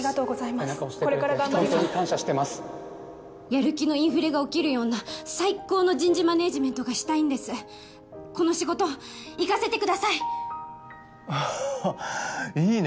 背中押してくれて本当にやる気のインフレが起きるような最高の人事マネージメントがしたいんですこの仕事行かせてくださいははっいいね